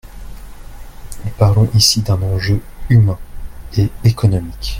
Nous parlons ici d’un enjeu humain et économique.